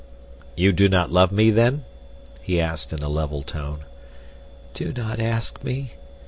"You do not love me, then?" he asked, in a level tone. "Do not ask me.